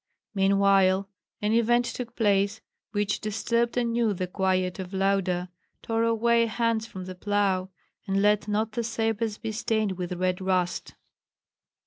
Meanwhile an event took place which disturbed anew the quiet of Lauda, tore away hands from the plough, and let not the sabres be stained with red rust.